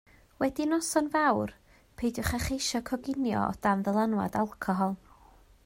Wedi noson fawr peidiwch â cheisio coginio o dan ddylanwad alcohol